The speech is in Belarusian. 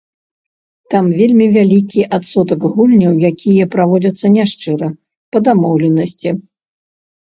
Там вельмі вялікі адсотак гульняў, якія праводзяцца няшчыра, па дамоўленасці.